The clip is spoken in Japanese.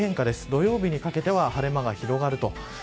土曜日にかけては晴れ間が広がると。